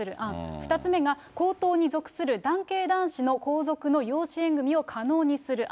２つ目が、皇統に属する男系男子の皇族の養子縁組を可能にする案。